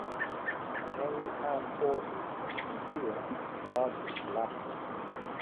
Cheng Han forces, in fear, largely collapsed.